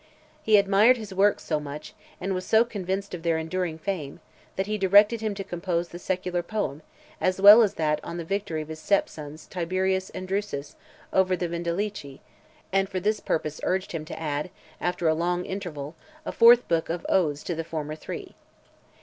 He admired his works so much, and was so convinced of their enduring fame, that he directed him to compose the Secular Poem, as well as that on the victory of his stepsons Tiberius and Drusus over the Vindelici ; and for this purpose urged him to add, after a long interval, a fourth book of Odes to the former three.